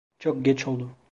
Çok geç oldu.